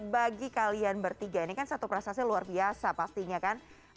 bagi kalian bertiga ini kan satu prestasi luar biasa pastinya kan